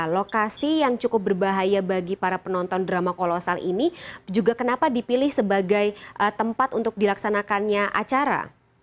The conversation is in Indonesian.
lokasi yang cukup berbahaya bagi para penonton drama kolosal ini juga kenapa dipilih sebagai tempat untuk dilaksanakannya acara